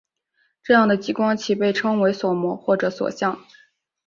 这样的激光器被称为锁模或者锁相。